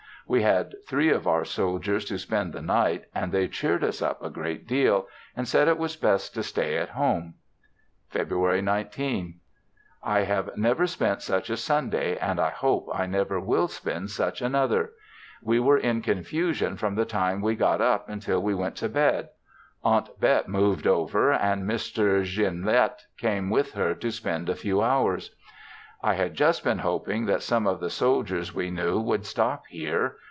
We had three of our soldiers to spend the night, and they cheered us up a great deal, and said it was best to stay at home. Feb'y. 19th. I have never spent such a Sunday, and hope I never will spend such another; we were in confusion from the time we got up until we went to bed. Aunt Bet moved over, and Mr. Gignilliat came with her to spend a few hours. I had just been hoping that some of the soldiers we knew would stop here.